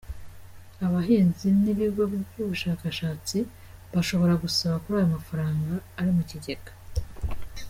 Abahinzi n’ibigo by’ubushakashatsi bashobora gusaba kuri ayo mafaranga ari mu kigega.